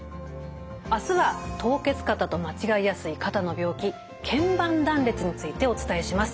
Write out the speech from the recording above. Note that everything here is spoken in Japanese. あすは凍結肩と間違いやすい肩の病気けん板断裂についてお伝えします。